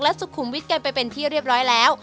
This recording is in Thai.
สุขุมวิทย์กันไปเป็นที่เรียบร้อยแล้ว